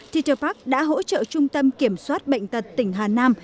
t chapack đã hỗ trợ trung tâm kiểm soát bệnh tật tỉnh hà nam